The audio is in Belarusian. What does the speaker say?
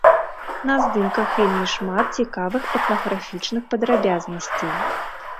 На здымках вельмі шмат цікавых этнаграфічных падрабязнасцей.